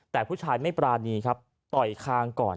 แต่ผู้ชายไม่ปรานีครับต่อยคางก่อน